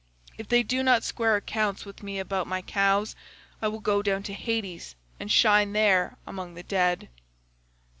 If they do not square accounts with me about my cows, I will go down to Hades and shine there among the dead.